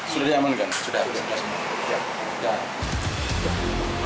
sudah aman sudah